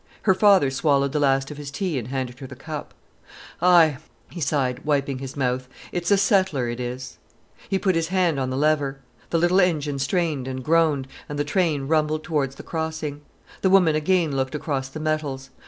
Her father swallowed the last of his tea and handed her the cup. "Aye," he sighed, wiping his mouth. "It's a settler, it is——" He put his hand on the lever. The little engine strained and groaned, and the train rumbled towards the crossing. The woman again looked across the metals.